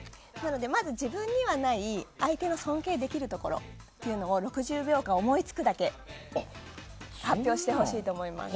まず、自分にはない相手の尊敬できるところを６０秒間、思いつくだけ発表してほしいと思います。